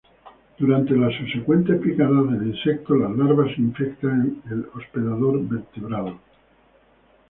Durante las subsecuentes picadas del insecto, las larvas infectan el hospedador vertebrado.